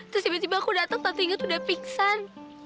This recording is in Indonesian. terus tiba tiba aku datang tante inga tuh udah pingsan